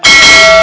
lam setuju jeng